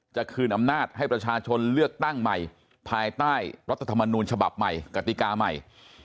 จะคืนอำนาจให้ประชาชนเลือกตั้งใหม่ภายใต้รัฐธรรมนูญฉบับใหม่กติกาใหม่